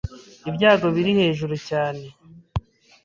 ibyago biri hejuru cyane.